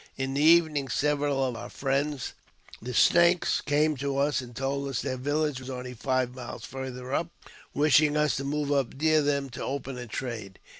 In the evening, several of our friends, the! Snakes, came to us and told us their village was only five milesi farther up, wishing us to move up near them to open a trade.